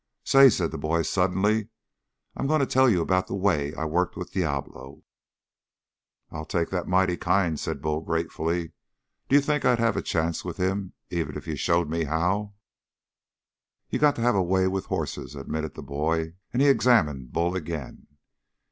"Say," said the boy suddenly, "I'm going to tell you about the way I worked with Diablo." "I'll take that mighty kind," said Bull gratefully. "D'you think I'd have a chance with him even if you showed me how?" "You got to have a way with hosses," admitted the boy, and he examined Bull again.